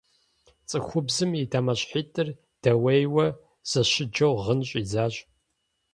Цӏыхубзым и дамэщхьитӀыр дэуейуэ, зэщыджэу гъын щӀидзащ.